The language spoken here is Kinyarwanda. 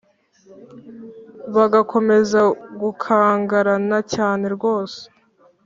bagakomeza gukangarana cyane rwose